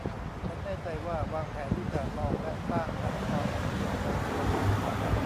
ฉันแน่ใจว่าวางแผนที่จะลองและสร้างแพลตฟอร์มหุ่นยนต์ในโทรศัพท์